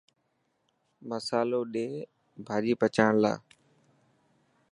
مصالو ڌي ڀاڄي پچائڻ لاءِ.